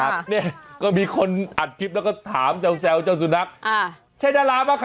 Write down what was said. นี่ก็มีคนอัดคลิปแล้วก็ถามเจ้าซัลเจ้าสุนัขช่วยดาราม่ะคะ